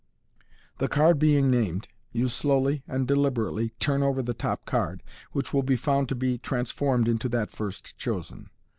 The card being named, you slowly and deliberately turn over the top card, which will be found to be trans formed into that first chosen.